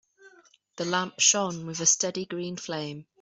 The lamp shone with a steady green flame.